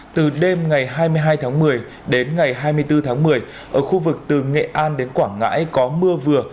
từ đêm ngày hai mươi hai tháng một mươi đến ngày hai mươi bốn tháng một mươi ở khu vực từ nghệ an đến quảng ngãi có mưa vừa